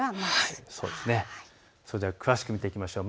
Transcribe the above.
それでは詳しく見ていきましょう。